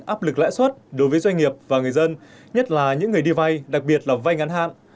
áp lực lãi suất đối với doanh nghiệp và người dân nhất là những người đi vay đặc biệt là vay ngắn hạn